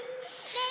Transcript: ねえ。